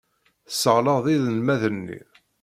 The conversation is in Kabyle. Tesseɣleḍ inelmaden-nni.